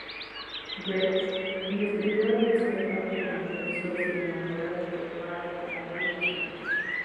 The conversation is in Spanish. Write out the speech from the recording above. Gregg describió el ser parte del Universo cinematográfico de Marvel como muy emocionante.